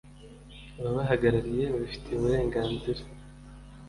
ababahagarariye babifitiye uburenganzira